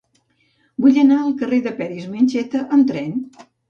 Vull anar al carrer de Peris i Mencheta amb tren.